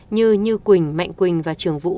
như như quỳnh mạnh quỳnh và trường vũ